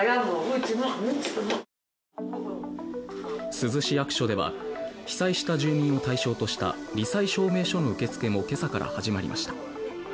珠洲市役所では被災した住民を対象としたり災証明書の受け付けも今朝から始まりました。